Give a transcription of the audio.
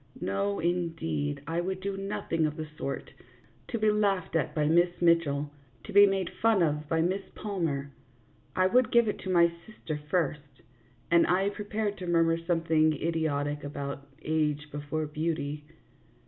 No, indeed, I would do nothing of the sort, to be laughed at by Miss Mitchell, to be made fun of by Miss Palmer. I would give it to my sister first, and I prepared to murmur something idiotic about " age before beauty."